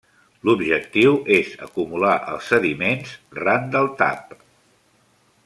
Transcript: L'objectiu és acumular els sediments ran del tap.